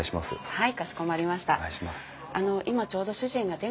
はい。